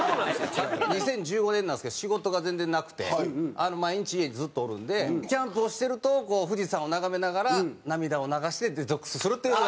２０１５年なんですけど仕事が全然なくて毎日家にずっとおるんでキャンプをしてるとこう富士山を眺めながら涙を流してデトックスするっていうのが。